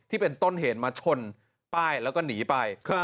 ที่เป็นต้นเหตุมาชนป้ายแล้วก็หนีไป